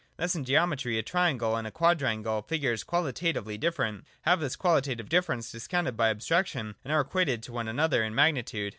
Thus, in geometry, a triangle and a quadrangle, figures qualitatively different, have this qualitative difference discounted by abstraction, and are equalised to one another in magnitude.